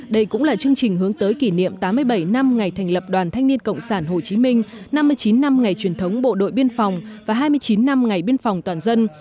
đây cũng là chương trình hướng tới kỷ niệm tám mươi bảy năm ngày thành lập đoàn thanh niên cộng sản hồ chí minh năm mươi chín năm ngày truyền thống bộ đội biên phòng và hai mươi chín năm ngày biên phòng toàn dân